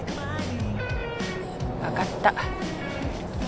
わかった。